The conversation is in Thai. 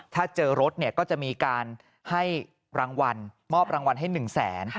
ถ้าเจอรถเนี่ยก็จะมีการให้รางวัลมอบรางวัลให้๑แสน